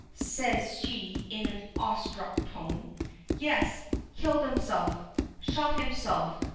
says she in an awestruck tone. "Yes. Killed himself! Shot himself!